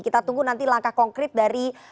kita tunggu nanti langkah konkret dari